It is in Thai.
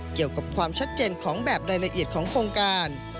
เกี่ยวกับความชัดเจนของแบบรายละเอียดของโครงการ